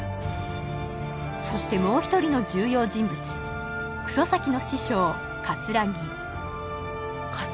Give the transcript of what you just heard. そしてもう一人の重要人物黒崎の師匠桂木桂